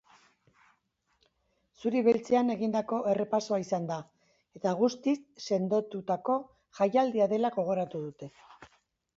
Zuribeltzean egindako errepasoa izan da eta guztiz sendotutako jaialdia dela gogoratu dute.